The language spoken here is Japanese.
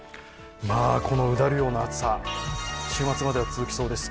このうだるような暑さ、週末までは続きそうです。